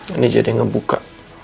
ini jadi ngebuka